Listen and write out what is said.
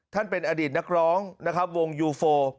เป็นอดีตนักร้องนะครับวงยูโฟ